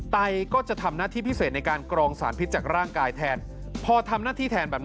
ไตก็จะทำหน้าที่พิเศษในการกรองสารพิษจากร่างกายแทนพอทำหน้าที่แทนแบบนั้น